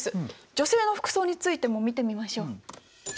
女性の服装についても見てみましょう。